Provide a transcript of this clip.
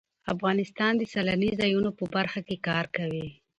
افغانستان د سیلاني ځایونو په برخه کې کار کوي.